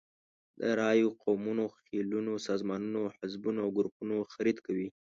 د رایو، قومونو، خېلونو، سازمانونو، حزبونو او ګروپونو خرید کوي.